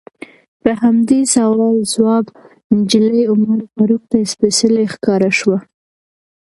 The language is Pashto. په همدې سوال ځواب نجلۍ عمر فاروق ته سپیڅلې ښکاره شوه.